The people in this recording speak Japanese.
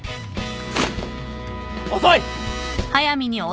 遅い！